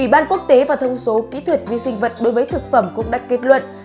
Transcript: bàn quốc tế và thông số kỹ thuật vi sinh vật đối với thực phẩm cũng đã kết luận